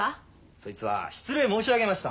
そいつは失礼申し上げました。